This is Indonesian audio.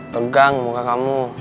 tegang muka kamu